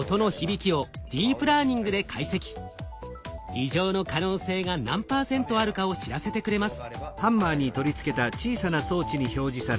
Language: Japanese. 異常の可能性が何％あるかを知らせてくれます。